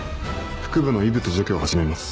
腹部の異物除去を始めます。